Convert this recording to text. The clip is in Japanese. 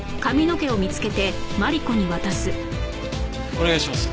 お願いします。